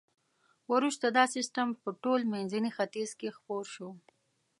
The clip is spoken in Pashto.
وروسته دا سیستم په ټول منځني ختیځ کې خپور شو.